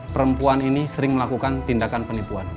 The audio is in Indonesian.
perempuan ini sering melakukan tindakan penipuan